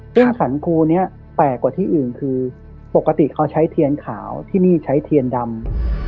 ซึ่งสรรคูนี้แปลกกว่าที่อื่นคือปกติเขาใช้เทียนขาวที่นี่ใช้เทียนดำ